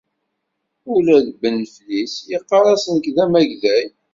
Ula d Ben Flis yeqqar-as nekk d amagday!